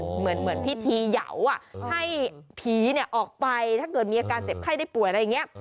เหมือนพิธีเหยาให้ผีออกไปถ้าเกิดมีอาการเจ็บไข้ได้ป่วยอะไรอย่างนี้